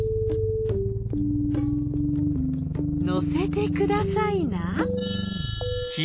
乗せてくださいな。